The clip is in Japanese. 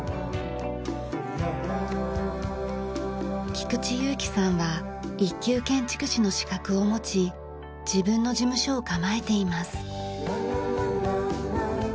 菊地結城さんは一級建築士の資格を持ち自分の事務所を構えています。